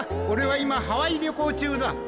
オレは今ハワイ旅行中だ！